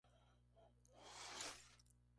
Corola de rosada a blanca.